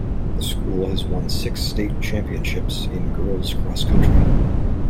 The school has won six State Championships in Girls' Cross Country.